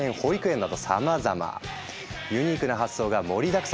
ユニークな発想が盛りだくさん。